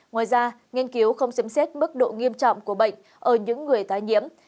ngoài ra nghiên cứu không xem xét mức độ nghiêm trọng của bệnh ở những người tái nhiễm